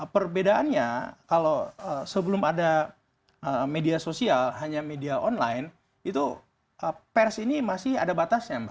perbedaannya kalau sebelum ada media sosial hanya media online itu pers ini masih ada batasnya mas